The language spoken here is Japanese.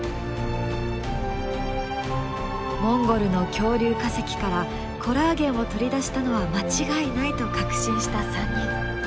モンゴルの恐竜化石からコラーゲンを取り出したのは間違いないと確信した３人。